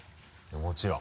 もちろん。